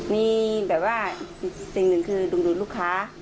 มีแบบว่าอีกสิ่งหนึ่งคือดุงลูกค้า